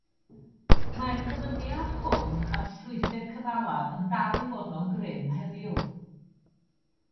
Mae'r gofyniad hwn a'r strwythur cyfalaf yn dal i fod mewn grym heddiw.